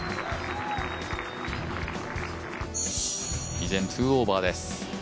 依然２オーバーです。